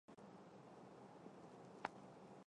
瓢箪藤棒粉虱为粉虱科棒粉虱属下的一个种。